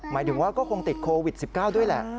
หมายถึงว่าก็คงติดโควิด๑๙ด้วยแหละ